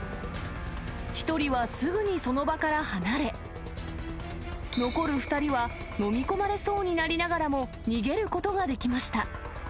１人はすぐにその場から離れ、残る２人は飲み込まれそうになりながらも逃げることができました。